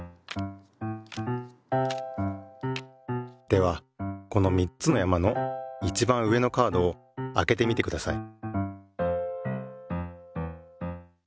ではこの３つの山のいちばん上のカードをあけてみてください。